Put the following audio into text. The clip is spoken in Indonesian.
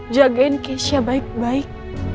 jagain keisha baik baik